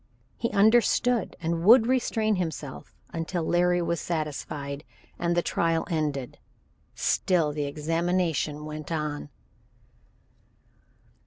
He understood, and would restrain himself until Larry was satisfied, and the trial ended. Still the examination went on.